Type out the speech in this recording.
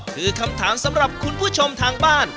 คือคำถามสำหรับคุณผู้ชมทางบ้าน